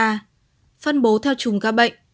phân bố theo chùm ca bệnh